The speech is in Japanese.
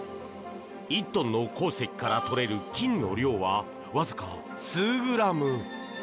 １トンの鉱石から取れる金の量はわずか数グラム。